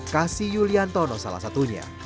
kasi yuliantono salah satunya